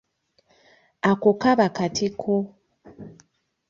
Ako kaba katiko.